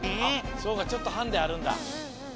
そうかちょっとハンデあるんだ。